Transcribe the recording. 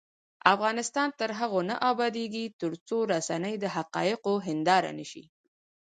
افغانستان تر هغو نه ابادیږي، ترڅو رسنۍ د حقایقو هنداره نشي.